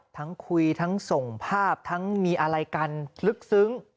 ทั้งคุยทั้งส่งภาพทั้งมีอะไรกันลึกซึ้ง